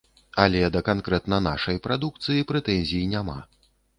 Але да канкрэтна нашай прадукцыі прэтэнзій няма.